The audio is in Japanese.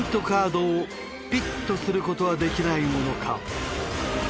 カードをピッとすることはできないものか？